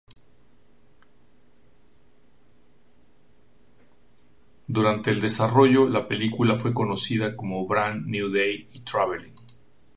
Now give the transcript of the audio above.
Durante el desarrollo, la película fue conocida como Bran New Day y Traveling.